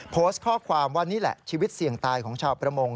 โพสต์ข้อความว่านี่แหละชีวิตเสี่ยงตายของชาวประมง